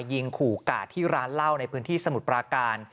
ยิงขู่กาดที่ร้านเหล้าในพื้นที่สมุทรปราการ